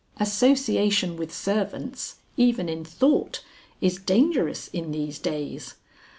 Association with servants, even in thought, is dangerous in these days.